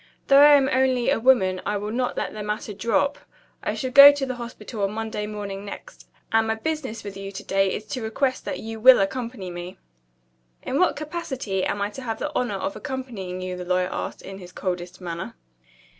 Though I am only a woman, I will not let the matter drop. I shall go to the Hospital on Monday morning next and my business with you to day is to request that you will accompany me." "In what capacity am I to have the honor of accompanying you?" the lawyer asked, in his coldest manner.